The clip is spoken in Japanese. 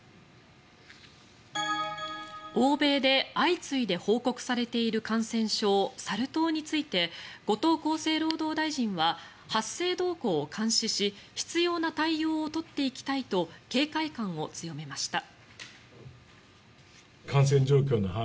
欧米で相次いで報告されている感染症、サル痘について後藤厚生労働大臣は発生動向を監視し必要な対応を取っていきたいと警戒感を強めました。